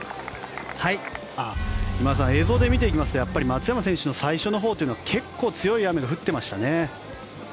今田さん、映像で見ていきますとやっぱり松山選手の最初のほうは結構強い雨が降っていましたね。